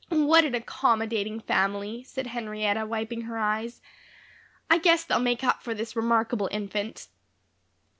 "What an accommodating family," said Henrietta, wiping her eyes. "I guess they'll make up for this remarkable infant."